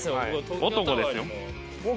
男ですよ？